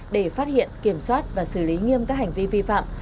để phát hiện kiểm soát và xử lý nghiêm các hành vi vi phạm